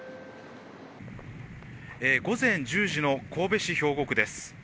午前１０時の神戸市兵庫区です。